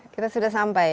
kita sudah sampai ya